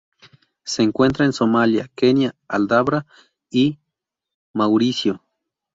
Se encuentra en Somalia, Kenia, Aldabra y Mauricio.